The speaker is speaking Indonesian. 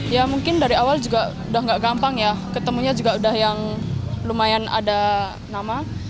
ya mungkin dari awal juga udah gak gampang ya ketemunya juga udah yang lumayan ada nama